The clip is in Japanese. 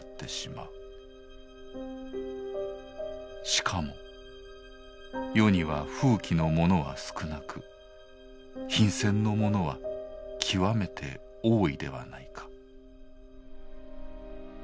しかも世には富貴の者は少なく貧賤の者は極めて多いではないか。